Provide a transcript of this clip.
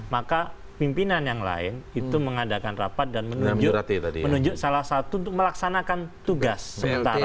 maka pimpinan yang lain itu mengadakan rapat dan menunjuk salah satu untuk melaksanakan tugas sementara